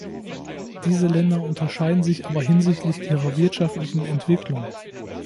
Diese Länder unterscheiden sich aber hinsichtlich ihrer wirtschaftlichen Entwicklung.